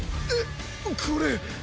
えっこれ。